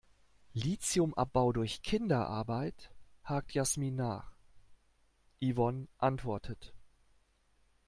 "Lithiumabbau durch Kinderarbeit?", hakt Yasmin nach. Yvonne antwortet.